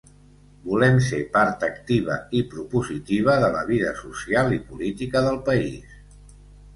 Volem ser part activa i propositiva de la vida social i política del país.